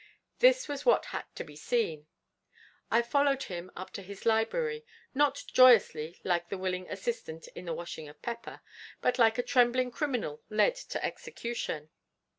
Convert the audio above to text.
This was what had to be seen. I followed him up to his library, not joyously like the willing assistant in the washing of Pepper, but like a trembling criminal led to execution.